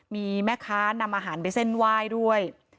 มีแม่ค้านำอาหารไปเส้นไหว้ด้วย